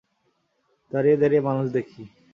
দাঁড়িয়ে দাঁড়িয়ে মানুষ দেখি।